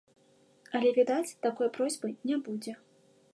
Але, відаць, такой просьбы не будзе.